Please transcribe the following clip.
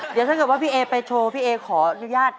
เดี๋ยวถ้าเกิดว่าพี่เอไปโชว์พี่เอขออนุญาต